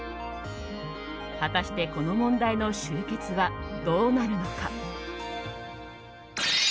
果たして、この問題の終結はどうなるのか。